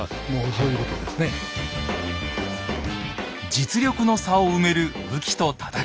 実力の差を埋める武器と戦い方。